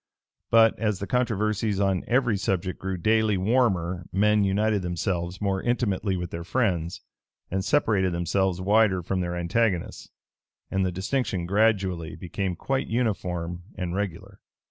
But, as the controversies on every subject grew daily warmer, men united themselves more intimately with their friends, and separated themselves wider from their antagonists; and the distinction gradually became quite uniform and regular.